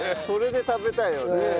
それで食べたいよね。